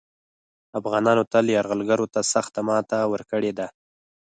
افغانانو تل یرغلګرو ته سخته ماته ورکړې ده